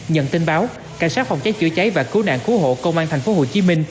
nhận tin báo cảnh sát phòng cháy chữa cháy và cứu nạn cứu hộ công an tp hcm